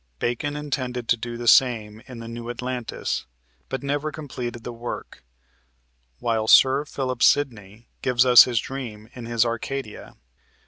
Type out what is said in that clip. Bacon intended to do the same thing in the "New Atlantis," but never completed the work, while Sir Philip Sidney gives us his dream in his "Arcadia."